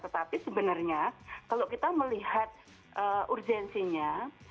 tetapi sebenarnya kalau kita melihat urgensinya